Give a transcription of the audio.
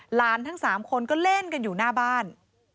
ทั้ง๓คนก็เล่นกันอยู่หน้าบ้าน